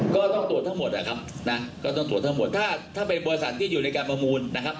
ก็ต้องตรวจทั้งหมดนะครับนะก็ต้องตรวจทั้งหมดถ้าเป็นบริษัทที่อยู่ในการประมูลนะครับ